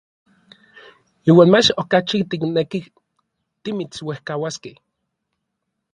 Iuan mach okachi tiknekij timitsuejkauaskej.